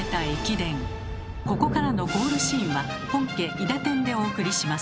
ここからのゴールシーンは本家「いだてん」でお送りします。